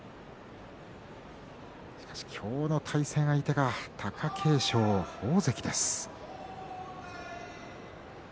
しかし今日の対戦相手貴景勝は大関です。